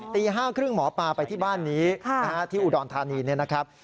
ตี๕๓๐หมอปลาไปที่บ้านนี้ที่อุดรธานีเนี่ยนะครับ